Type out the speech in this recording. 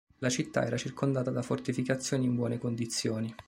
La città era circondata da fortificazioni in buone condizioni.